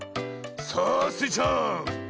さあスイちゃん。